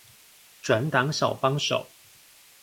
轉檔小幫手